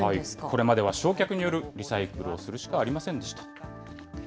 これまでは焼却によるリサイクルをするしかありませんでした。